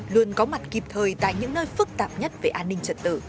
luôn có mặt kịp thời tại những nơi phức tạp nhất về an ninh trật tự